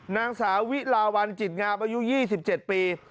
นางสาวิลาวันจิตงามอายุ๒๗ปี